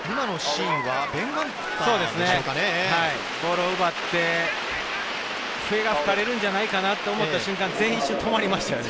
ボールを奪って笛が吹かれるんじゃないかなと思った瞬間、全員止まりましたよね。